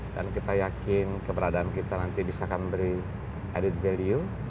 dan kita yakin keberadaan kita nanti bisa akan beri added value